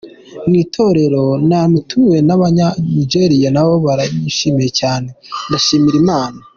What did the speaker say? Mu itorero natumiwemo n’abanya Nigeria naho baranyishimiye cyaneeeee, ndabishimira Imana.